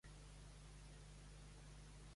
Bon dia, actualment podrà ser atès.